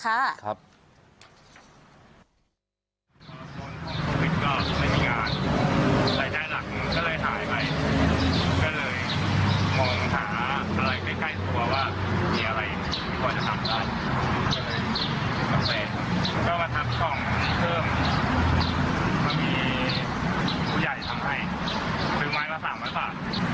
ก็มาทับของเพิ่มมามีผู้ใหญ่ทำให้ถึงไม้กว่า๓๐๐บาท